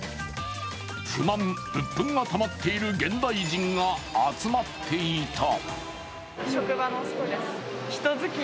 不満、うっぷんがたまっている現代人が集まっていた。